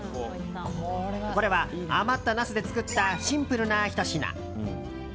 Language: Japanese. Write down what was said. これは余ったナスで作ったシンプルなひと品。